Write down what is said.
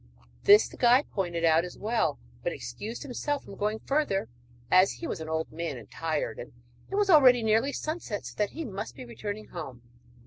This the guide pointed out as the well, but excused himself from going further as he was an old man and tired, and it was already nearly sunset, so that he must be returning home.